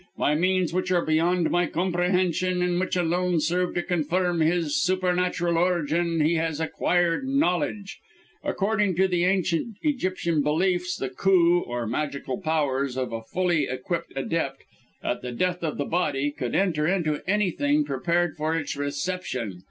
By means which are beyond my comprehension, and which alone serve to confirm his supernatural origin, he has acquired knowledge. According to the Ancient Egyptian beliefs the Khu (or magical powers) of a fully equipped Adept, at the death of the body, could enter into anything prepared for its reception.